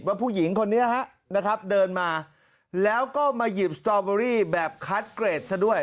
ผู้หญิงคนนี้ฮะนะครับเดินมาแล้วก็มาหยิบสตอเบอรี่แบบคัดเกรดซะด้วย